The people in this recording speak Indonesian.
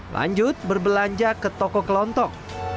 lanjut berbelanja ke toko kelontok